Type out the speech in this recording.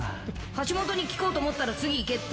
橋本に聞こうと思ったら、次行けって。